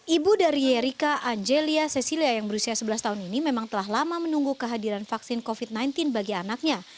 ibu dari yerika angelia cecilia yang berusia sebelas tahun ini memang telah lama menunggu kehadiran vaksin covid sembilan belas bagi anaknya